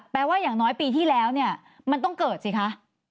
แปลว่าอย่างน้อยปีที่แล้วมันต้องเกิดสิคะ